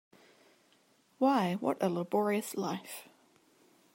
Why, what a laborious life!